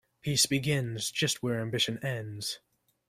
Peace begins just where ambition ends.